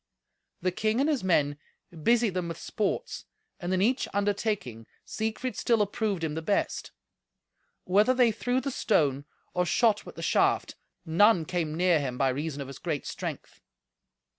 The king and his men busied them with sports, and in each undertaking Siegfried still approved him the best. Whether they threw the stone or shot with the shaft, none came near him by reason of his great strength.